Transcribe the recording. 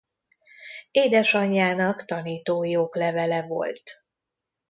Édesanyjának tanítói oklevele volt.